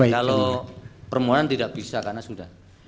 kalau permohonan tidak bisa karena sudah